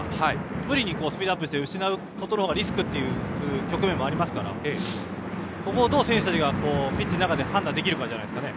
無理にスピードアップして失うことのほうがリスクという局面もありますからここをどう選手たちがピッチの中で判断できるかですね。